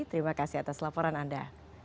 terima kasih atas laporan anda